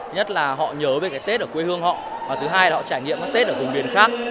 nhất là họ nhớ về cái tết ở quê hương họ và thứ hai là họ trải nghiệm các tết ở vùng miền khác